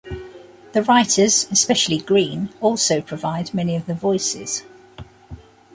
The writers, especially Green, also provide many of the voices.